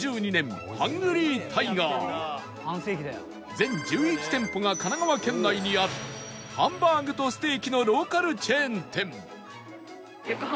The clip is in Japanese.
全１１店舗が神奈川県内にあるハンバーグとステーキのローカルチェーン店